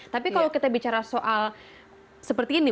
tapi kalau kita bicara soal seperti ini